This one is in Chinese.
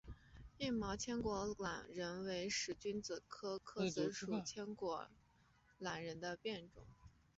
硬毛千果榄仁为使君子科诃子属千果榄仁的变种。